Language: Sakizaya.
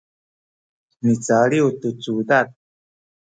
micaliw tu cudad